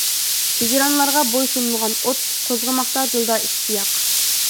ھىجرانلارغا بوي سۇنمىغان ئوت، قوزغىماقتا دىلدا ئىشتىياق.